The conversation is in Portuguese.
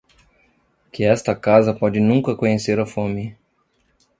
Que esta casa pode nunca conhecer a fome.